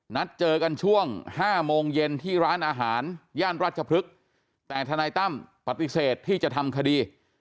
นัดเจอกันช่วง๕โมงเย็นที่ร้านอาหารย่านรัชพฤกษ์แต่ทนายตั้มปฏิเสธที่จะทำคดี